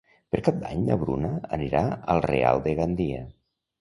Per Cap d'Any na Bruna anirà al Real de Gandia.